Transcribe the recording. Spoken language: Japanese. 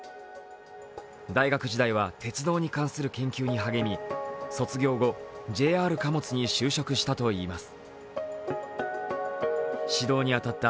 大学時代は鉄道に関する研究に励み、卒業後ＪＲ貨物に就職したといいます。